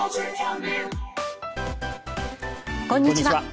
こんにちは。